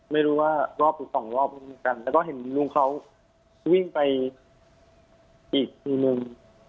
ไม่รู้ว่ารอบหรือสองรอบเหมือนกันแล้วก็เห็นลุงเขาวิ่งไปอีกทีนึง